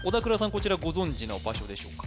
こちらご存じの場所でしょうか？